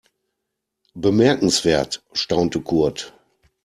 Bemerkenswert, staunte Kurt.